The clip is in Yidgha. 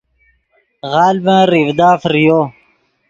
غلڤن ریڤدا فریو